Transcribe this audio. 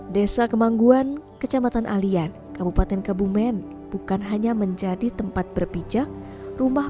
desa kemangguan kecamatan alian kabupaten kebumen bukan hanya menjadi tempat berpijak rumah